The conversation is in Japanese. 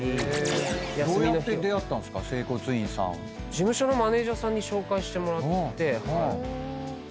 事務所のマネジャーさんに紹介してもらってそこからです。